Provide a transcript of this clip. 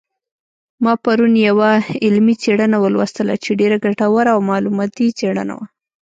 ما پرون یوه علمي څېړنه ولوستله چې ډېره ګټوره او معلوماتي څېړنه وه